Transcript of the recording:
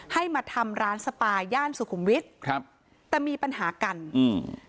ให้มาทำร้านสปาย่านสุขุมวิทย์ครับแต่มีปัญหากันอืม